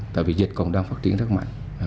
tại vì dịch còn đang phát triển rất mạnh